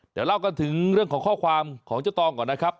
เดี๋ยวเล่ากันถึงเรื่องของข้อความของเจ้าตองก่อนนะครับ